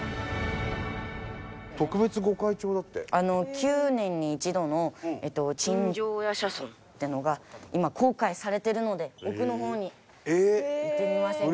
９年に一度の鎮将夜叉尊ってのが今公開されてるので奥の方に行ってみませんか？